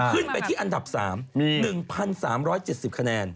ขึ้นไปที่อันดับ๓๑๓๗๐คะแนน